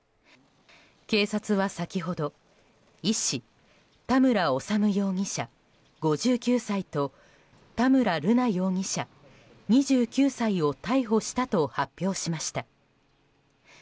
警察は先ほど医師・田村修容疑者、５９歳と田村瑠奈容疑者、２９歳を逮捕したと発表しました。